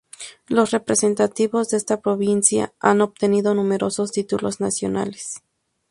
Los representativos de esta provincia han obtenido numerosos títulos nacionales.